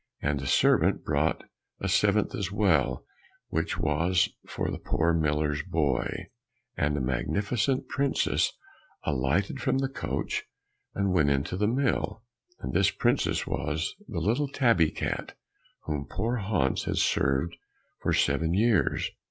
and a servant brought a seventh as well, which was for the poor miller's boy. And a magnificent princess alighted from the coach and went into the mill, and this princess was the little tabby cat whom poor Hans had served for seven years.